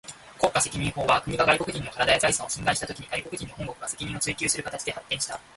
国家責任法は、国が外国人の身体や財産を侵害したときに、外国人の本国が責任を追求する形で発展した。